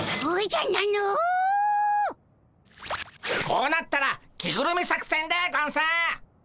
こうなったら着ぐるみ作戦でゴンス！